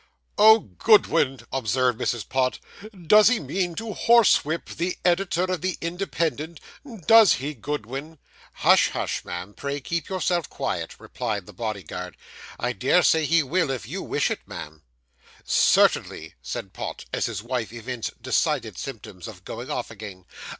'Oh, Goodwin,' observed Mrs. Pott, 'does he mean to horsewhip the editor of the Independent does he, Goodwin?' 'Hush, hush, ma'am; pray keep yourself quiet,' replied the bodyguard. 'I dare say he will, if you wish it, ma'am.' 'Certainly,' said Pott, as his wife evinced decided symptoms of going off again.